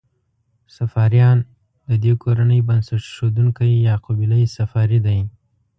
صفاریان: د دې کورنۍ بنسټ ایښودونکی یعقوب لیث صفاري دی.